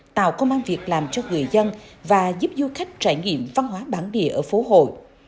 tạo công an việc làm cho người dân và giúp du khách trải nghiệm văn hóa bản địa ở phố hội